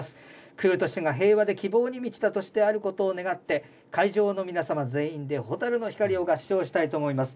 くる年が平和で、希望に満ちた年であることを願って会場の皆様全員で「蛍の光」を合唱したいと思います。